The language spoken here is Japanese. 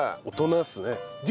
大人っすね。